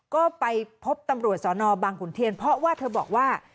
ก็ไปพบตำรวจสอนอบางขุนเทียนเพราะว่าเธอบอกว่า